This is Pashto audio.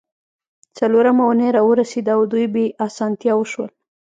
څلورمه اونۍ راورسیده او دوی بې اسانتیاوو شول